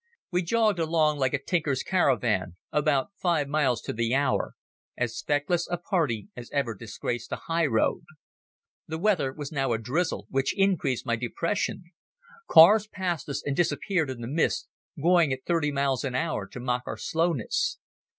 We jogged along like a tinker's caravan, about five miles to the hour, as feckless a party as ever disgraced a highroad. The weather was now a drizzle, which increased my depression. Cars passed us and disappeared in the mist, going at thirty miles an hour to mock our slowness.